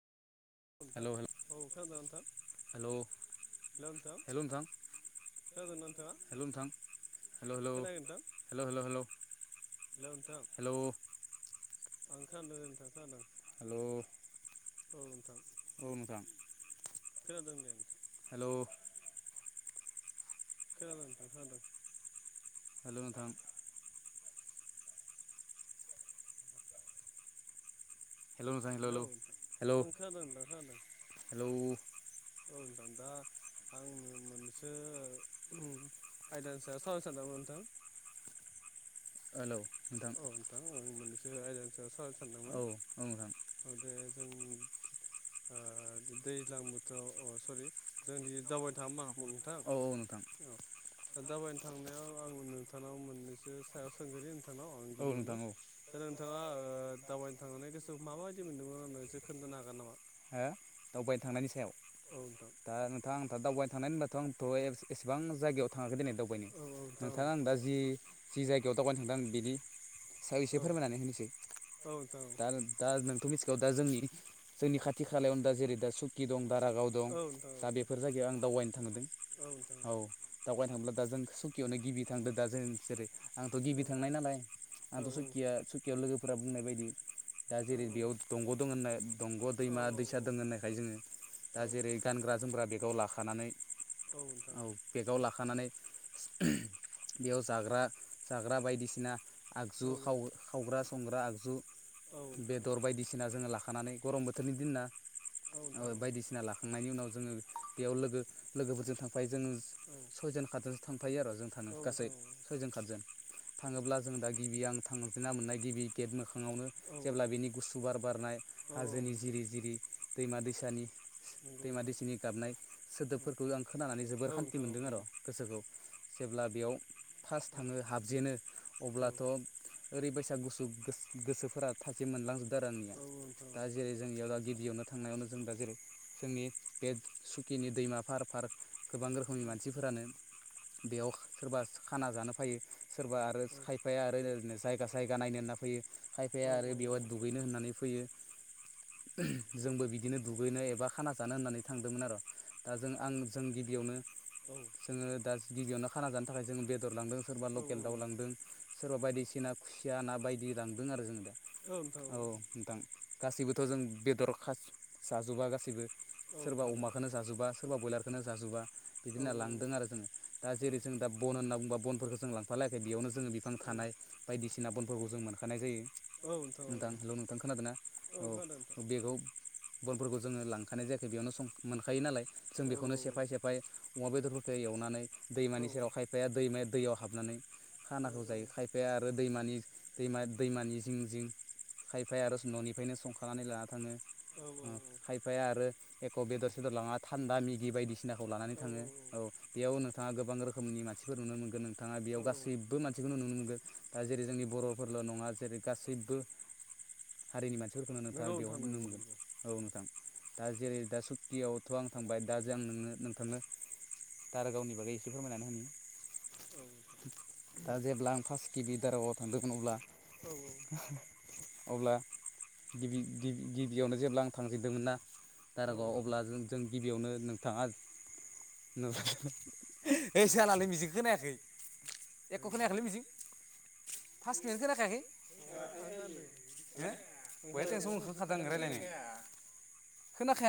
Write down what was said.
नोंथां हेलौ हेल औ खोनादों ना नोंथां? हेलौ हेल ' नोंथां। हेलौ नोंथां खोनादोना नोंथाङा हेलौ नोंथां हेलौ हेलौ खोनाखै नोंथां। हेलौ हेलौ हेल' नोंथां। हेलौ आं खोदों दे नोंथां खोनादों। हेल' औ नोंथां। औ नोंथां। खोनादों दें नोंथां। हेलौ। खोनादों नोंथां खोनादों। हेलौ नोंथां। हेल' नोंथां हेल' हेलौ नोंथां हेल' आं हेल' खोनादों नोंथां खोनादों हेल'। औ नोंथां दा। आंनो मोनसे आयदानि सायाव सावराय सानदोंमोन नोंथां। हेलौ। औ नोंथां आं मोननैसो आयदानि सायाव सावरायनो सानदोंमोन। औ औ नोंथां औदे जों ओ दैज्लां बोथोराव सरि जोंनि दावबायनो थाङा मा? नोंथां औ दा दाबायनो थांनायाव आं नोंथांनाव मोननैसो सायाव सोंगोरनि आं नोंथांनाव आं औ गिबियावनो नोंथां औ दा नोंथाङा दावबायनो थांनानै गोसोखौ माबायदि मोन्दोंमोननानैसो खोन्थानो हागोन नामा? हो दावबायनो थांनायनि सायाव औ नोंथां। दा नोंथां आंथ' दावबायनो थांनाय होनबाथ' आंथ' एसेबां जायगायाव थाङाखै दिनै दावबायनो नोंथाङा आं दा जि जि जायगायाव दावबायनो थांदों बिदि सायाव एसे औ फोरमायनानै होनोसै औ नोंथां दा होगोन दा नोंथ' मिथिगौ दा जोंनि जोंनि खाथि खालायावनो दा जेरै दा सुकि दं दारागाव दं औ नोंथां औ दा बेफोर जायगायाव आं दावबायनो थांदों। औ दावबायनो थांोब्ला दा जों सुखियावनो गिबि थांदो दा जों जेरै आंथ' गिबि थांनाय नालाय आंथ' नोंथां सुकिया सुकियाव लोगोफोरा बुंनाय बायदि दा जेरै बेयाव दंग' दङ होननाय दंग' दैमा औ दैसा दङ होननायखाय जोङो औ दा जेरै गानग्रा जोमग्रा बेगाव लाखानानै औ नोंथां औ। बेगाव लाखानानै बेयाव जाग्रा जाग्रा बायदिसिना औ नोंथां औ नोंथां औ नोंथां औ आगजुाव औ नोंथां नंगौ नोंथां औ नोंथां औ नोंथां औ खावग्रा संग्रा आगजु औ बेदर बायदिसिना जोङो लाखानानै गरम बोथोरनि दिनना बायदिसिना लाखा थांनायनि उनाव जोङो बेयाव लोगो लोगोफोरजों थांफायो जोंङो सयजन खातजनसो थांफायो आरो जों थाङो गासै सयजन खातजन। थाङोब्ला जों दा गिबि आं थांफिनना मोननाय गिबि गेट मोखाङावनो जेब्ला बिनि गुसु बार बारनाय हाजोनि जिरि जिरि दैमा दैसानि दैमा दैसिनि गाबनाय सोदोबफोरखौ आं खोनानानै जोबोर सान्थि मोन्दों आरो गोसोखौ जेब्ला बेयाव फार्स्ट थाङो हाबजेनो अब्लाथ' ओरैबायसा गुसु गोस-गोसोफोरा थाजिम मोनलांजोबदों आरो आंनिया। दा बुंङोथ'। जेरै जोंनि बेयाव दा गिबियावनो थांनायावनो जों दा जेरै जोंनि बे सुकिनि दैमा फार फार गोबां रोखोमनि मानसिफोरानो बेयाव सोरबा खाना जानो फैायो सोरबा आरो खायफाया आरोओैनो जायगा जायगा नायनो होनना फैयो खायफाया औ आरो औ बेवहाय औ दुगैनो होननानै फैयो। जोंबो बिदिनो दुगैनो एबा खाना जानो होननानै थांदोंमोन आरो दा जों आं जों गिबियावनो औ जोङो दा गिबियावनो खाना जानो थाखाय जोङो बेदर लांदों सोरबा औ लकेल दाउ लांदों सोरबा बायदिसिना खुसिया ना बायदि लांदों आरो जोङो दा। औ नोंथां। गासैबोथ' जों बेदर खा जाजोबा गासैबो औ सोरबा नोंथां अमाखौोनो जाजोबा सोरबा बयलार खौनो जाजोबा बिदि औ होनना लांदों आरो जोंङो। दा औ जेरै जोङो दा बन होनना बुंबा बनफोरखौ जों लांफालायाखै बेयावनो जोङो बिफां थानाय बायदिसिना बनफोरखौ जों मोनखानाय जायो औ नोंथां हेल' नोंथां खोनादोंना औ बेगाव बनफोरखौ जोङो लांखानाय जायाखै बेयावनो सं मोनखायो नालाय जों नोंथां औ बेखौनो सेफाय सेफाय अमा बेदरफोरखौ एवनानै औ दैमानि सेरावहाय खायफाया दैमाया दैयाव हाबनानै औ खानाखौ जायो खाय खायफाया आरो दैमानि दैम दैमानि जिं जिं खायफाया आरो संनानै बेायनो संखानानै लाना थाङो ओ खाय औ खायफाया आरो एख' बेदर सेदर लाङा थान्दा मेगि बायदिसिनाखौ लानानै थाङो। औ। बेयाव नोंथाङा गोबां रोखोमनि मानसिफोर नुनो मोनगोन नोंथाङा बेयाव औ औ गासैबो मानसि खौनो नुनो मोनगोन दा जेरै जोंनि बर'फोरल' नङा जेरै गासैबो हारिनि मानसिफोरखौनो नंगौ नोंथाङा नोंथां बेवहाय नुनो नंगौ मोनगोन। नंगौ औ नोंथां दा जेरै दा सुक्तियावथ' आं थांबाय दा जों नोंनो नोंथांनो दारागवनि बागै एसे फोरमायनानै औ नोंथां होनि दा जेब्ला आं फार्स्ट गिबि दारगाव थांदोंमोन अब्ला औ औ अब्ला गिबि गिबि गिबियावनो जेब्ला आं थांजेनदोंमोन ना औ आं दारागावआव अब्ला जों जों गिबियावनो नोंथाङा न हैओइ जालालै मिजिं खोनायाखै एख' खोनायाखैलै मिजिं फास्ट निफ्रायनो खोनादों खोनाखायाखै [unintelligible] [inaudible] ओंखार रालायनो खोनाखाया